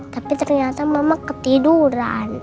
tapi ternyata mama ketiduran